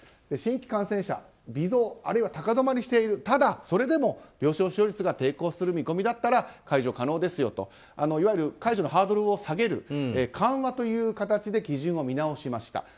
新規感染者微増、あるいは高止まりしているただ、それでも病床使用率が低下する見込みだったら解除可能ですよといわゆる解除のハードルを下げる緩和という形で基準を見直しました。